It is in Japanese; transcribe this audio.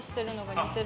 似てる。